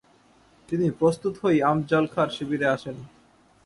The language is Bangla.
তিনি প্রস্তুত হয়েই আফজল খাঁর শিবিরে আসেন।